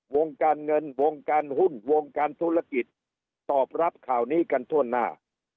วงการเงินวงการหุ้นวงการธุรกิจตอบรับข่าวนี้กันทั่วหน้า